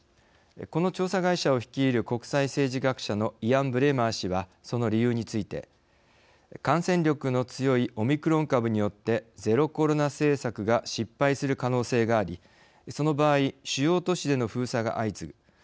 この調査会社を率いる国際政治学者のイアン・ブレマー氏はその理由について「感染力の強いオミクロン株によってゼロコロナ政策が失敗する可能性がありその場合主要都市での封鎖が相次ぐ。